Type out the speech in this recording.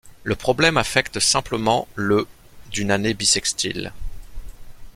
Le problème affecte simplement le d'une année bissextile.